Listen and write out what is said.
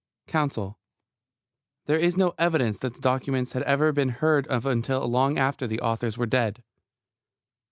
COUNSEL: There is no evidence that the documents had ever been heard of until long after the authors were dead.